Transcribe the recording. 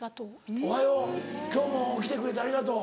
「おはよう今日も起きてくれてありがとう」。